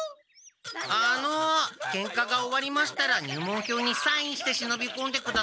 あのケンカが終わりましたら入門票にサインして忍びこんでくださいね。